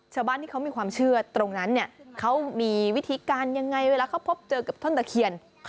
ชาวบ้านที่เขามีความเชื่อตรงนั้นเนี่ยเขามีวิธีการยังไงเวลาเขาพบเจอกับต้นตะเคียน